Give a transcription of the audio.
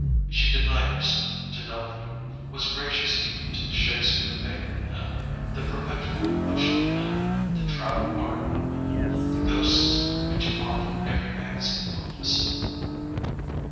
She denied herself to nobody, was gracious even to the Shakspere Bacon man, the perpetual motion man, the travel article man, the ghosts which haunt every magazine office.